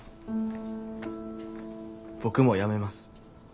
僕もやめます。